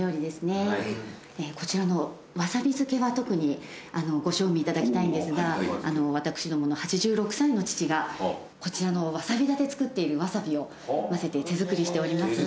こちらのわさび漬は特にご賞味いただきたいんですが私どもの８６歳の父がこちらのわさび田で作っているワサビを混ぜて手作りしております。